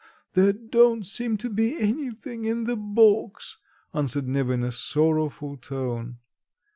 "There don't seem to be anything in the box," answered Neva in a sorrowful tone.